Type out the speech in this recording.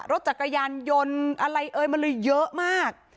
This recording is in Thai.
รถจักรยานยนต์อะไรเอ่ยมันเลยเยอะมาก